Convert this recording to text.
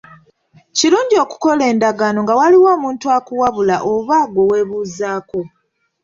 Kirungi okukola endagaano nga waliwo omuntu akuwabula oba gwe weebuuzaako.